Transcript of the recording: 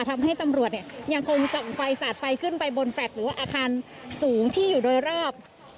ทำให้ตำรวจเนี่ยยังคงส่องไฟสาดไฟขึ้นไปบนแฟลต์หรือว่าอาคารสูงที่อยู่โดยรอบ